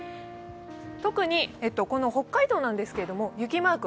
特に北海道ですけど、雪マーク